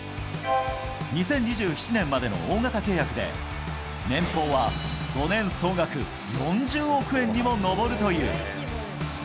２０２７年までの大型契約で、年俸は５年総額４０億円にも上るという。